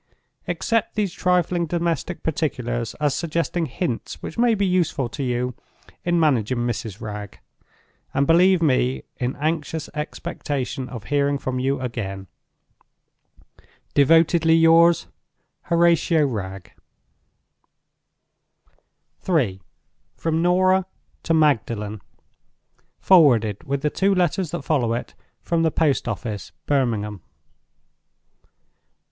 Accept these trifling domestic particulars as suggesting hints which may be useful to you in managing Mrs. Wragge; and believe me, in anxious expectation of hearing from you again, "Devotedly yours, "HORATIO WRAGGE." III. From Norah to Magdalen. _Forwarded, with the Two Letters that follow it, from the Post Office, Birmingham.